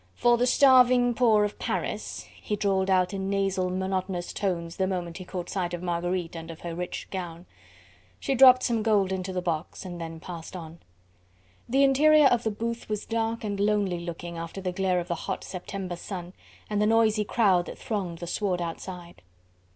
"For the starving poor of Paris," he drawled out in nasal monotonous tones the moment he caught sight of Marguerite and of her rich gown. She dropped some gold into the box and then passed on. The interior of the booth was dark and lonely looking after the glare of the hot September sun and the noisy crowd that thronged the sward outside.